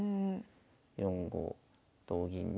４五同銀に。